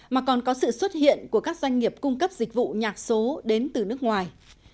mà còn có sự xuất hiện của các doanh nghiệp cung cấp dịch vụ nhạc số đến từ nước ngoài